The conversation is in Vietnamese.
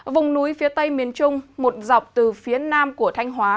vùng núi phía tây miền trung một dọc từ phía nam của thanh hóa